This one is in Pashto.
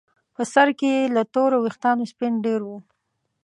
په سر کې یې له تورو ویښتانو سپین ډیر وو.